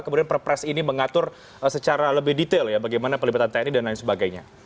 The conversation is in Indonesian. kemudian perpres ini mengatur secara lebih detail ya bagaimana pelibatan tni dan lain sebagainya